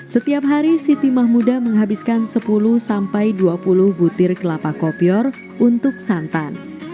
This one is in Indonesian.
setiap hari sitimah muda menghabiskan sepuluh sampai dua puluh butir kelapa kopior untuk santan